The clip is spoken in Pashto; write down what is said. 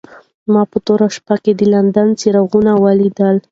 ما په توره شپه کې د لندن څراغونه ولیدل.